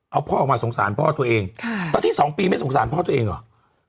เอาพ่อออกมาสงสารพ่อตัวเองค่ะแล้วที่สองปีไม่สงสารพ่อตัวเองเหรอ